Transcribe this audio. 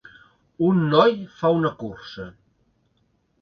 Un noi fa una cursa